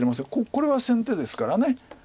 これは先手ですから。